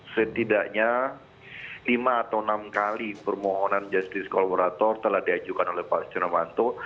setidaknya lima atau enam kali permohonan jastis kolaborator telah diajukan oleh pak stiano fanto